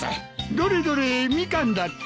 どれどれミカンだって？